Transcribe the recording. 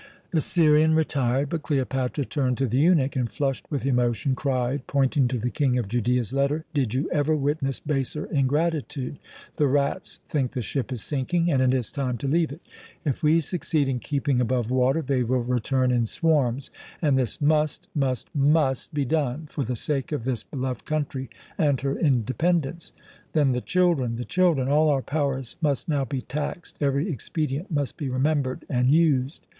The Syrian retired; but Cleopatra turned to the eunuch and, flushed with emotion, cried, pointing to the King of Judea's letter: "Did you ever witness baser ingratitude? The rats think the ship is sinking, and it is time to leave it. If we succeed in keeping above water, they will return in swarms; and this must, must, must be done, for the sake of this beloved country and her independence. Then the children, the children! All our powers must now be taxed, every expedient must be remembered and used.